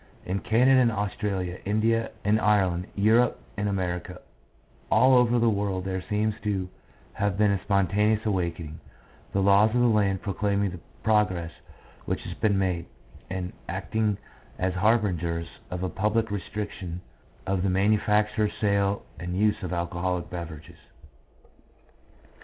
In Canada and Australia, India and Ireland, Europe and America, all over the world there seems to have been a spontaneous awakening, the laws of the land proclaiming the progress which has been made, and acting as harbingers of a public restriction of the manufacture, sale, and use of alcoholic beverages.